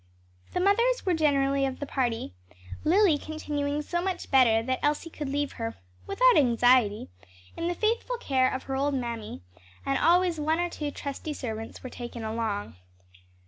The mothers were generally of the party; Lily continuing so much better that Elsie could leave her, without anxiety, in the faithful care of her old mammy and always one or two trusty servants were taken along.